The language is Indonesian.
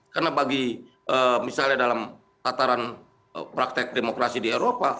karena bagi misalnya dalam tataran praktek demokrasi di eropa